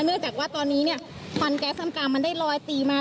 เนื่องจากว่าตอนนี้เนี่ยควันแก๊สทำกลางมันได้ลอยตีมา